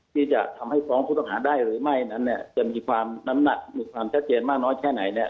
ที่จะทำให้ฟ้องพุทธภาคได้หรือไม่จะมีความน้ำหนักมีความชัดเจนมากน้อยแค่ไหนเนี่ย